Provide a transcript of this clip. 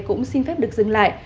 cũng xin phép được dừng lại